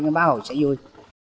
nhưng bá hồ sẽ vui